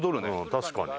確かに。